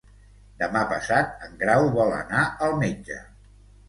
Demà passat en Grau vol anar al metge.